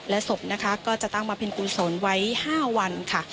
ศพนะคะก็จะตั้งมาเป็นกุศลไว้๕วันค่ะ